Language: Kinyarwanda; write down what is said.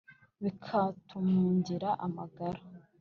bikatumungira amagara.